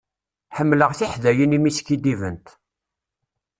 Ḥemmleɣ tiḥdayin imi skiddibent.